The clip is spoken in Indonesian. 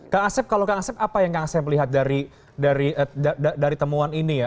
kak asep kalau kang asep apa yang kang asep lihat dari temuan ini ya